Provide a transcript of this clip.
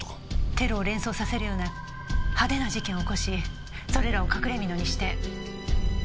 テロを連想させるような派手な事件を起こしそれらを隠れ蓑にして。